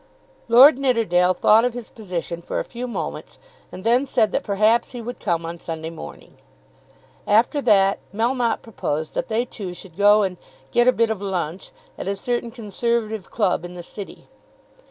Lord Nidderdale thought of his position for a few moments and then said that perhaps he would come on Sunday morning. After that Melmotte proposed that they two should go and "get a bit of lunch" at a certain Conservative club in the City.